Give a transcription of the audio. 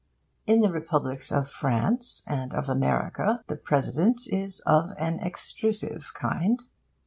In the Republics of France and of America the President is of an extrusive kind.